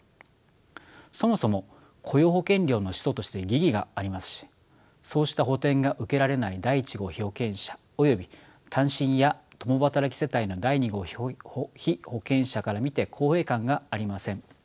そもそも雇用保険料の使途として疑義がありますしそうした補填が受けられない第１号被保険者および単身や共働き世帯の第２号被保険者から見て公平感がありません。